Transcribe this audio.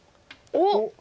おっ！